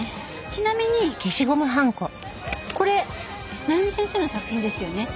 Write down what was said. ちなみにこれナルミ先生の作品ですよね？